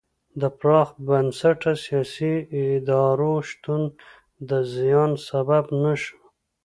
د پراخ بنسټه سیاسي ادارو شتون د زیان سبب نه شو.